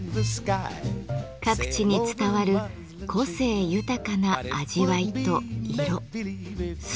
各地に伝わる個性豊かな味わいと色姿形。